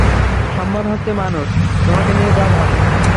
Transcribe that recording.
সম্মান হচ্ছে মানুষ তোমাকে নিয়ে যা ভাবে।